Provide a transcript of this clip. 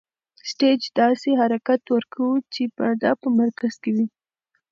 سټیج داسې حرکت ورکوو چې ماده په مرکز کې وي.